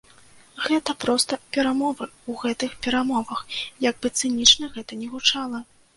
Гэта проста перамовы ў гэтых перамовах, як бы цынічна гэта ні гучала.